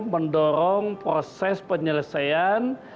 mendorong proses penyelesaian